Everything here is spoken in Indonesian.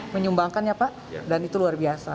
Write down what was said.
menyumbangkannya pak dan itu luar biasa